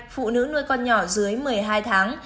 phụ nữ nuôi con nhỏ dưới một mươi hai tháng